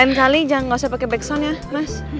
lain kali jangan pake back sound ya mas